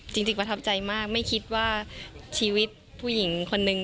จริงประทับใจมากไม่คิดว่าชีวิตผู้หญิงคนนึง